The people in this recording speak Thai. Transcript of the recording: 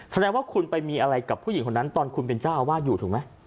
แสดงว่าคุณไปมีอะไรกับผู้หญิงคนนั้นตอนคุณเป็นเจ้าอาวาสอยู่ถูกไหม